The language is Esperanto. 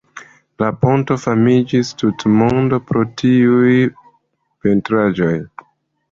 La ponto famiĝis tutmonde pro tiuj pentraĵoj.